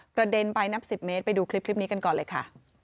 เด็นไปนับ๑๐เมตรไปดูคลิปนี้กันก่อนเลยค่ะ